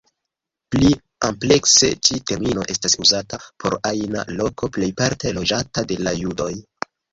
Pli amplekse ĉi termino estas uzata por ajna loko plejparte loĝata de la judoj.